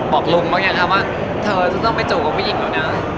บอกลุงว่าไงครับว่าเธอจะต้องไปจูบกับผู้หญิงแล้วนะ